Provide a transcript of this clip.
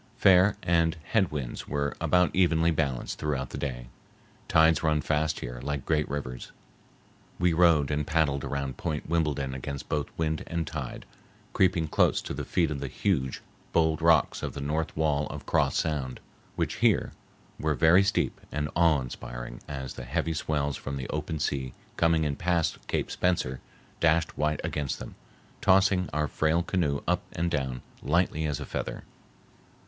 Fair and head winds were about evenly balanced throughout the day. Tides run fast here, like great rivers. We rowed and paddled around Point Wimbledon against both wind and tide, creeping close to the feet of the huge, bold rocks of the north wall of Cross Sound, which here were very steep and awe inspiring as the heavy swells from the open sea coming in past Cape Spencer dashed white against them, tossing our frail canoe up and down lightly as a feather.